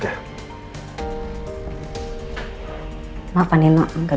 pertama kali kita berbicara